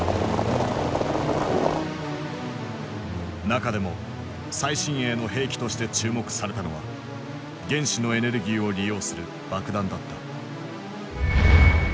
中でも最新鋭の兵器として注目されたのは原子のエネルギーを利用する爆弾だった。